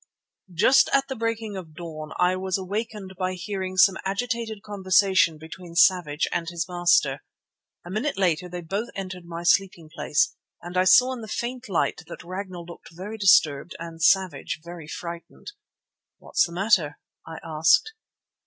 Just at the breaking of dawn I was awakened by hearing some agitated conversation between Savage and his master. A minute later they both entered my sleeping place, and I saw in the faint light that Ragnall looked very disturbed and Savage very frightened. "What's the matter?" I asked.